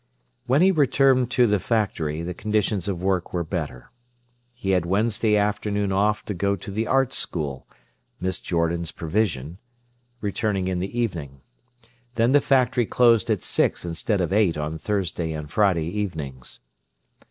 When he returned to the factory the conditions of work were better. He had Wednesday afternoon off to go to the Art School—Miss Jordan's provision—returning in the evening. Then the factory closed at six instead of eight on Thursday and Friday evenings.